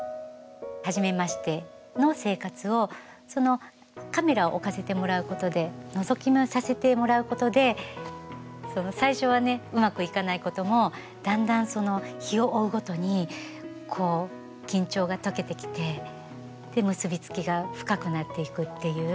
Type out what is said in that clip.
初めましての生活をそのカメラを置かせてもらうことでのぞき見をさせてもらうことで最初はねうまくいかないこともだんだん日を追うごとにこう緊張が解けてきてで結び付きが深くなっていくっていう。